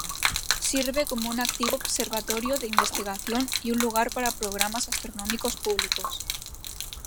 Sirve como un activo observatorio de investigación y un lugar para programas astronómicos públicos.